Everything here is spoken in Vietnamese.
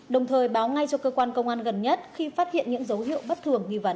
đồng thời báo ngay cho cơ quan công an gần nhất khi phát hiện những dấu hiệu bất thường nghi vấn